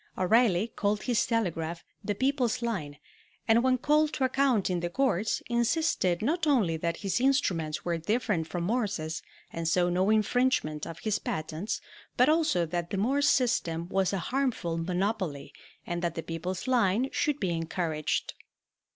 O'Reilly called his telegraph "The People's Line," and when called to account in the courts insisted not only that his instruments were different from Morse's, and so no infringement of his patents, but also that the Morse system was a harmful monopoly and that "The People's Line" should be encouraged.